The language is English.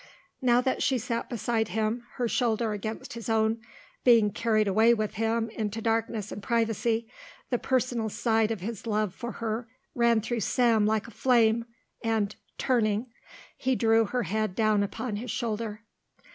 Now that she sat beside him, her shoulder against his own, being carried away with him into darkness and privacy, the personal side of his love for her ran through Sam like a flame and, turning, he drew her head down upon his shoulder.